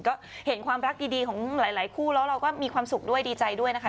ก็เห็นความรักดีของหลายคู่แล้วเราก็มีความสุขด้วยดีใจด้วยนะคะ